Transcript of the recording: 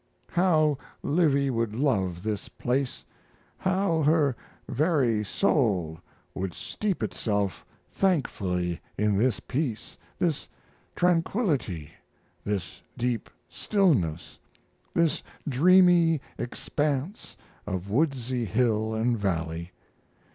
How Livy would love this place! How her very soul would steep itself thankfully in this peace, this tranquillity, this deep stillness, this dreamy expanse of woodsy hill & valley!